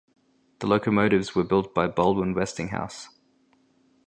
The locomotives were built by Baldwin-Westinghouse.